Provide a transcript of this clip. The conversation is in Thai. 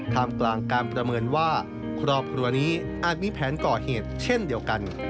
มกลางการประเมินว่าครอบครัวนี้อาจมีแผนก่อเหตุเช่นเดียวกัน